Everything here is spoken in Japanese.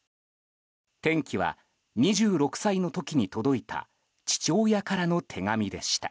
転機は２６歳の時に届いた父親からの手紙でした。